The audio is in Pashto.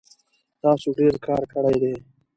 تاسو ډیر کار کړی دی